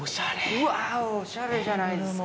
うわおしゃれじゃないですか。